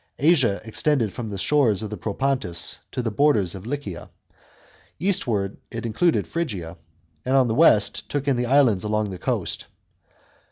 Asia extended from the shores of the Propontis to the borders of Lycia ; eastward it included Phrygia, and on the west took in the islands along the coast.